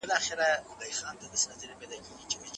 په پښو کې مې د وخت زولنې ستا په نوم پاللې